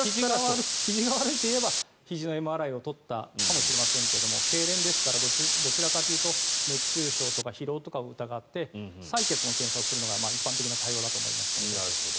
ひじが悪いといえばひじのＭＲＩを撮ったかもしれませんがけいれんですからどちらかというと熱中症とか疲労とかを疑って採血の検査をするのが一般的な対応だと思います。